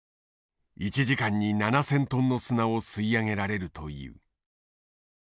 １時間に７，０００トンの砂を吸い上げられるという。